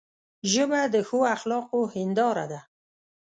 ژبه د ښو اخلاقو هنداره ده